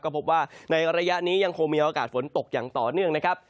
ก็พบว่าในระยะนี้ยังคงมีโอกาสฝนตกอย่างต่อเนื่องนะครับ